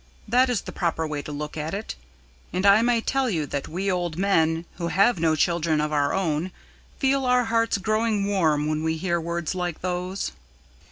That is the proper way to look at it. And I may tell you that we old men, who have no children of our own, feel our hearts growing warm when we hear words like those."